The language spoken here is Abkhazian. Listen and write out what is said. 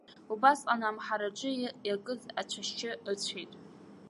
Убасҟан амҳараҿы иакыз ацәашьы ыцәеит.